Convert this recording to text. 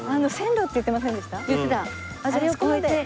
言ってた。